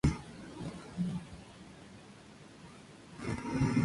Asimismo, se usa para describir a las cortesanas de la ciudad de Uruk.